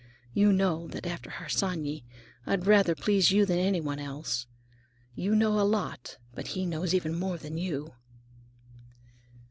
You know that after Harsanyi I'd rather please you than anyone else. You know a lot, but he knows even more than you."